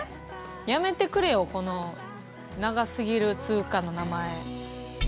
やめてくれよこの長すぎる通貨の名前。